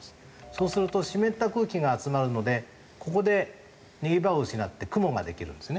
そうすると湿った空気が集まるのでここで逃げ場を失って雲ができるんですね。